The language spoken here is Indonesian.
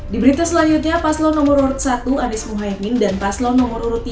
di berita selanjutnya paslon nomor urut satu anies mohaimin dan paslon nomor urut tiga